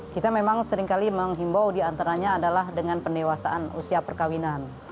kita memang seringkali menghimbau diantaranya adalah dengan pendewasaan usia perkawinan